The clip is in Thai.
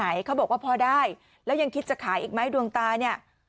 ทวีฟเราก็บอกว่าพอได้แล้วยังคิดจะขายอีกไม้ดวงตานี่